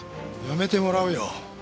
辞めてもらうよ。